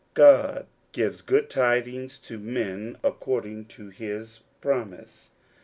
OD gives good things to men according to his promise.